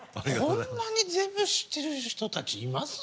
こんなに全部知ってる人たちいます？